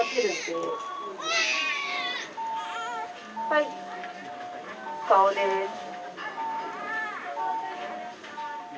はい顔です。